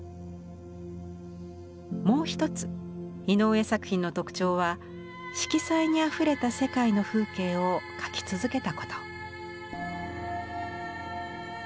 もう一つ井上作品の特徴は色彩にあふれた世界の風景を描き続けたこと。